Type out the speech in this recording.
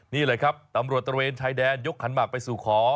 นี่แหละครับตำรวจตระเวนชายแดนยกขันหมากไปสู่ขอ